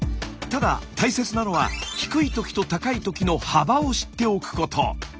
ただ大切なのは低いときと高いときの「幅」を知っておくこと。